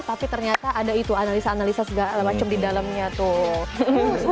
tapi ternyata ada itu analisa analisa segala macam di dalamnya tuh